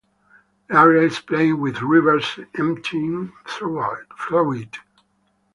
The area is plain with rivers emptying through it.